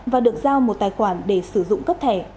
và được giao một tài khoản để sử dụng cấp thẻ